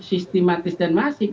sistematis dan masing